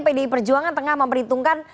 pdi perjuangan tengah memerhitungkan